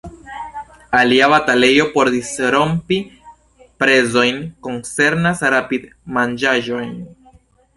Alia batalejo por disrompi prezojn koncernas rapid-manĝaĵojn.